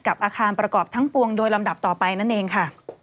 อาคารประกอบทั้งปวงโดยลำดับต่อไปนั่นเองค่ะ